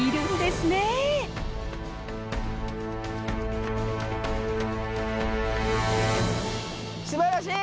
すばらしい！